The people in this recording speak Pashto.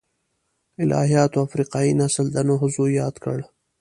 الهیاتو افریقايي نسل د نوح زوی یاد کړ.